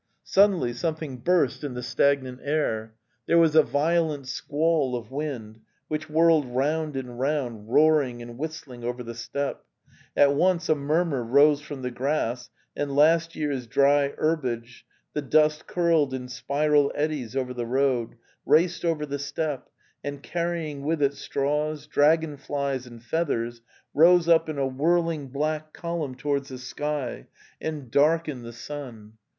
Sud denly something burst in the stagnant air; there was a violent squall of wind which whirled round and round, roaring and whistling over the steppe. At once a murmur rose from the grass and last year's dry herbage, the dust curled in spiral eddies over the road, raced over the steppe, and carrying with it straws, dragon flies and feathers, rose up in a whirl ing black column towards the sky and darkened the 186 The Tales of Chekhov sun.